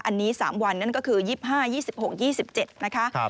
อันนี้๓วันนั่นก็คือ๒๕๒๖๒๗นะคะ